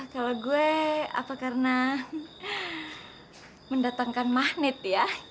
kalau gue apa karena mendatangkan magnet ya